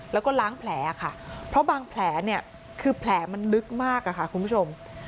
แล้วก็ล้างแผลค่ะเพราะบางแผลเนี่ยคือแผลมันลึกมากอะค่ะคุณผู้ชม